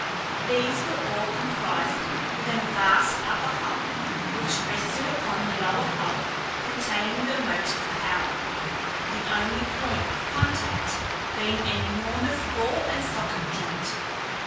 These were all comprised within a vast upper hull, which rested upon the lower hull containing the motive power, the only point of contact being an enormous ball and socket joint.